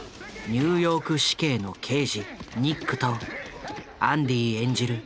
ニューヨーク市警の刑事ニックとアンディ演じる